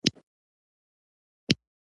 • دردناک غاښونه د ژوند خوند خرابوي.